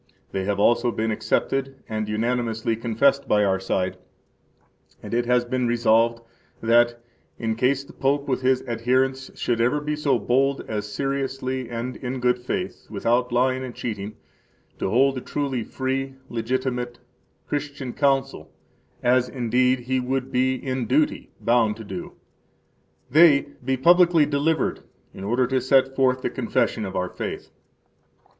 They have also been accepted and unanimously confessed by our side, and it has been resolved that, in case the Pope with his adherents should ever be so bold as seriously and in good faith, without lying and cheating, to hold a truly free [legitimate] Christian Council (as, indeed, he would be in duty bound to do), they be publicly delivered in order to set forth the Confession of our Faith.